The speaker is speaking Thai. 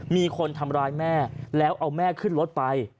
มีคนทำร้ายแม่แล้วเอาแม่ขึ้นรถไป